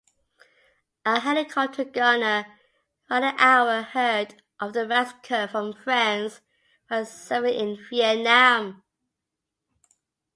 A helicopter gunner, Ridenhour heard of the massacre from friends while serving in Vietnam.